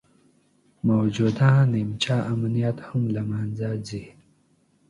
موجوده نیمچه امنیت هم له منځه ځي